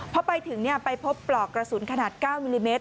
พอไปถึงไปพบปลอกกระสุนขนาด๙มิลลิเมตร